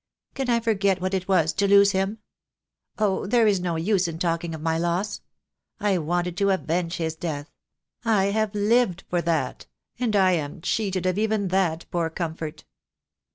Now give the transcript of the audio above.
Can I forget what it was to lose him? Oh, there is no use in talking of my loss. I wanted to avenge his death. I have lived for that — and I am cheated of even that poor comfort."